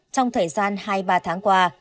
trong thời gian hai ba tháng qua